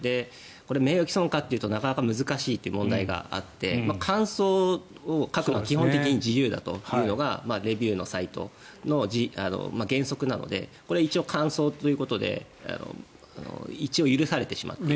名誉毀損かというとなかなか難しいという問題があって感想を書くのは基本的に自由だというのがレビューのサイトの原則なのでこれは一応感想ということで一応許されてしまうと。